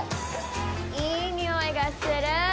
いい匂いがする。